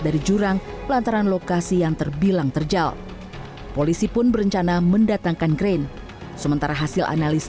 dari jurang pelantaran lokasi yang terbilang terjal polisi pun berencana mendatangkan keren sementara